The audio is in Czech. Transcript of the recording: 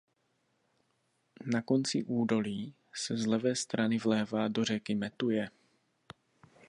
Na konci údolí se z levé strany vlévá do řeky Metuje.